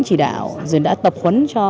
chỉ đạo rồi đã tập huấn cho